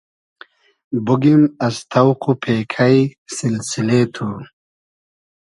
بوگیم از تۆق و پېکݷ سیلسیلې تو